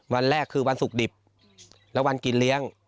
วันแรกคือวันศุกร์ดิบและวันกินเลี้ยง